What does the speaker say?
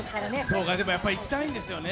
でもやっぱり行きたいんですよね。